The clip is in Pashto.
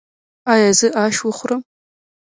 ایا زه اش وخورم؟